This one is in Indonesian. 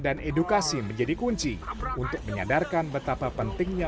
dan edukasi menjadi kunci untuk menyadarkan betapa pentingnya